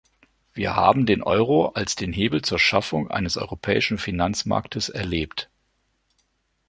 Wir haben den Euro als den Hebel zur Schaffung eines europäischen Finanzmarktes erlebt.